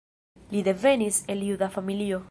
Li devenis el juda familio.